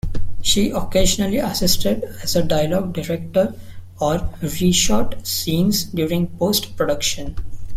She occasionally assisted as a dialogue director, or re-shot scenes during post-production.